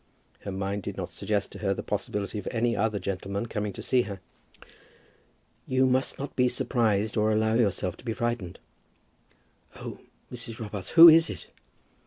Her mind did not suggest to her the possibility of any other gentleman coming to see her. "You must not be surprised, or allow yourself to be frightened." "Oh, Mrs. Robarts, who is it?"